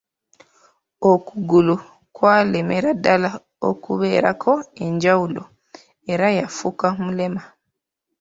Okugulu kwalemera ddala okubeerako enjawulo, era yafuuka mulema.